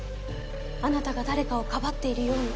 あなたが誰かをかばっているように。